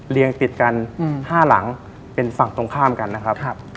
ติดกัน๕หลังเป็นฝั่งตรงข้ามกันนะครับ